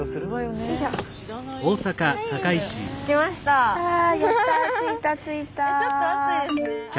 はい。